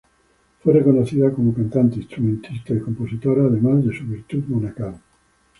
Fue reconocida como cantante, instrumentista y compositora, además de su virtud monacal.